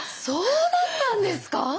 そうだったんですか。